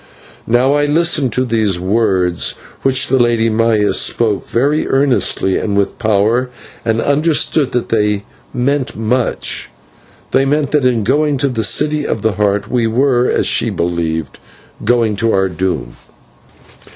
Now I listened to these words which the Lady Maya spoke very earnestly and with power, and understood that they meant much; they meant that in going to the City of the Heart we were, as she believed, going to our doom.